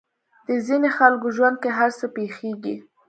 د ځينې خلکو ژوند کې هر څه پېښېږي.